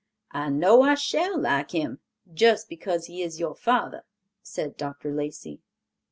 "I know I shall like him, just because he is your father," said Dr. Lacey.